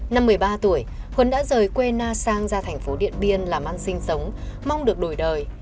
năm một mươi ba tuổi huấn đã rời quê na sang ra thành phố điện biên làm ăn sinh sống mong được đổi đời